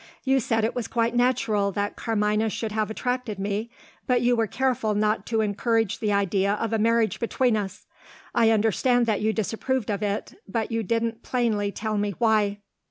You said it was quite natural that Carmina should have attracted me; but you were careful not to encourage the idea of a marriage between us. I understood that you disapproved of it but you didn't plainly tell me why."